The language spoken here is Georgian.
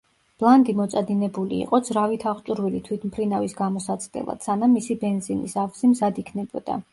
ბლანდი მოწადინებული იყო ძრავით აღჭურვილი თვითმფრინავის გამოსაცდელად, სანამ მისი ბენზინის ავზი მზად იქნებოდა.